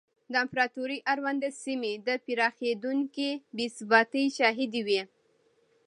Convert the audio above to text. د امپراتورۍ اړونده سیمې د پراخېدونکې بې ثباتۍ شاهدې وې.